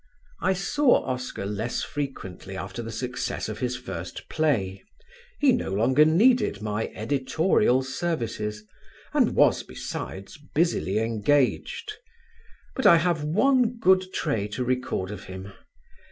I saw Oscar less frequently after the success of his first play; he no longer needed my editorial services, and was, besides, busily engaged; but I have one good trait to record of him.